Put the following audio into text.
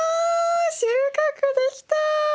収穫できた！